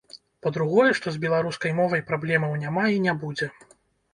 Па-другое, што з беларускай мовай праблемаў няма і не будзе.